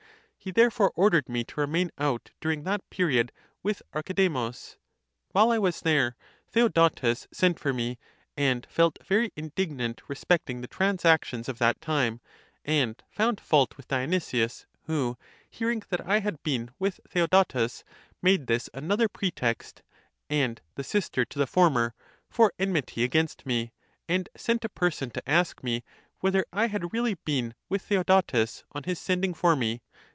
He therefore ordered me to remain out during that period with Archidemus. While I was there, Theodotes sent for me, and felt very indignant respecting the transactions of that time, and found fault with Dionysius; who, hearing that I had been with Theodotes, made this another pretext, and the sister' to the former, for enmity against me, and sent a person to ask me, whether I had really been with Theo dotes on his sending for me?